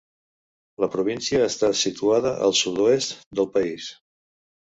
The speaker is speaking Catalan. La província està situada al sud-oest del país.